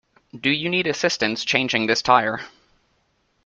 Do you need assistance changing this tire?